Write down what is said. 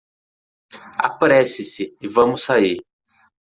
Apresse-se e vamos sair.